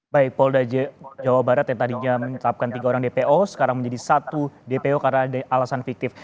baik polda jawa barat yang tadinya menetapkan tiga orang dpo sekarang menjadi satu dpo karena alasan fiktif